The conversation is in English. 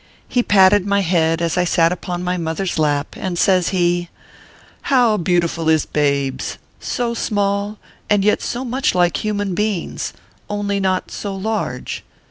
He patted iny head as I sat upon my mother s lap, and says he :" How "beautiful is babes ! So small, and yet so much like human beings, only not so large.